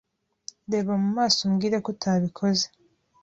Reba mu maso umbwire ko utabikoze.